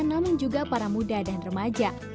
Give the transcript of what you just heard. namun juga para muda dan remaja